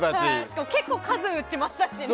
しかも結構、数打ちましたしね。